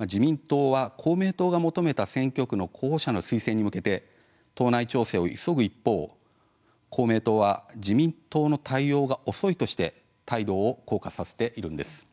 自民党は公明党が求めた選挙区の候補者の推薦に向けて党内調整を急ぐ一方公明党は自民党の対応が遅いとして態度を硬化させているんです。